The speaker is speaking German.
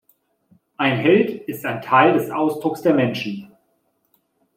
Ein Held ist ein Teil des Ausdrucks der Menschen.